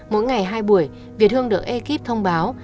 mỗi ngày hai buổi việt hương được ekip thông báo